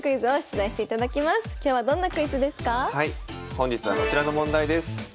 本日はこちらの問題です。